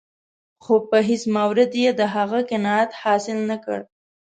خو په هېڅ مورد کې یې د هغه قناعت حاصل نه کړ.